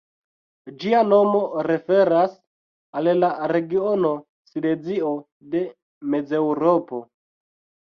Ĝia nomo referas al la regiono Silezio de Mezeŭropo.